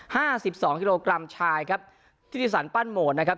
ห้าสิบสองกิโลกรัมชายครับที่สรรปั้นโหมดนะครับ